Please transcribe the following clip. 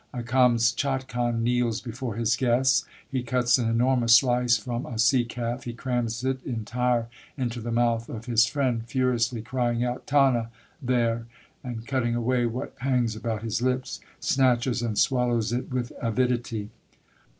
A Kamschatkan kneels before his guests; he cuts an enormous slice from a sea calf; he crams it entire into the mouth of his friend, furiously crying out "Tana!" There! and cutting away what hangs about his lips, snatches and swallows it with avidity.